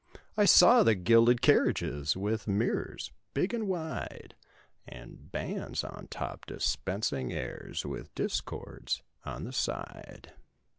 I saw the gilded carriages With mirrors—big and wide, And bands on top dispensing airs With discords on the side.